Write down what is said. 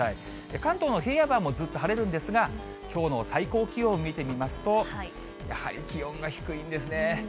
関東の平野部はずっと晴れるんですが、きょうの最高気温を見てみますと、やはり気温が低いんですね。